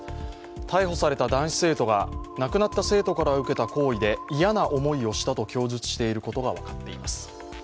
逮捕された男子生徒が、亡くなった生徒から受けた行為で嫌な思いをしたと供述していることが分かっています。